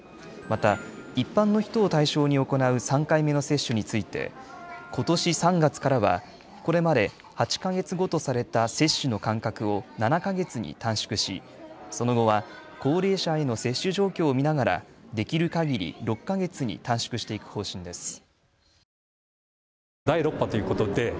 また一般の人を対象に行う３回目の接種についてことし３月からはこれまで８か月後とされた接種の間隔を７か月に短縮しその後は高齢者への接種状況を見ながら、できるかぎり６か月に短縮していく方針です。